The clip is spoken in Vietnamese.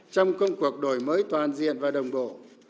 trong công cuộc đổi mới toàn diện và đồng bộ